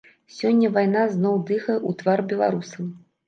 Сёння вайна зноў дыхае ў твар беларусам.